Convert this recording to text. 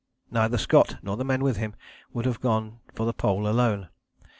Neither Scott nor the men with him would have gone for the Pole alone.